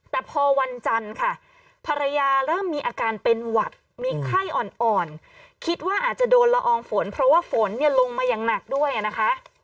แต่พอวันจันทร์ค่ะภรรยาเริ่มมีอาการเป็นหวัดมีไข้อ่อนคิดว่าอาจจะโดนละอองฝนเพราะว่าฝนเนี่ยลงมาอย่างหนักด้วยนะคะ